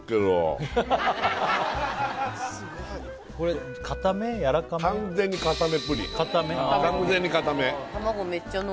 これ固め？やらかめ？